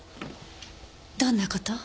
どんな事？